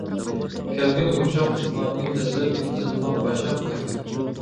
كەلگىن يۇمشاق قۇملارنى دەسسەپ، ئېتىزىمغا باشاق تەرگىلى.